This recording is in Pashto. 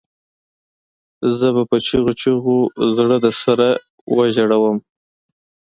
زه به په چیغو چیغو زړه درسره وژړوم